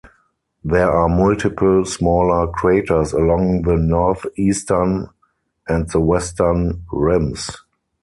There are multiple smaller craters along the northeastern and the western rims.